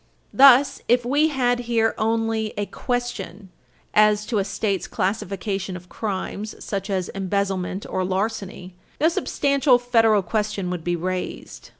Thus, if we had here only a question as to a State's classification of crimes, such as embezzlement or larceny, no substantial federal question would be raised.